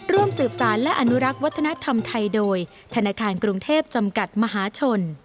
ร่วมสืบสารและอนุรักษ์วัฒนธรรมไทยโดยธนาคารกรุงเทพจำกัดมหาชน